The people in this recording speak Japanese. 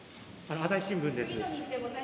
朝日新聞です。